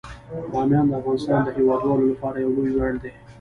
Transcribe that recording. بامیان د افغانستان د هیوادوالو لپاره یو لوی ویاړ دی.